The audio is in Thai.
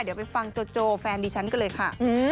เดี๋ยวไปฟังโจโจแฟนดิฉันกันเลยค่ะ